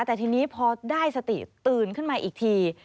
แต่ทีนี้พอได้สติตื่นขึ้นมาอีกที